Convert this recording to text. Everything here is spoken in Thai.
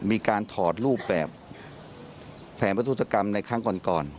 มีการถอดรูปแบบแผนประทุศกรรมในครั้งก่อน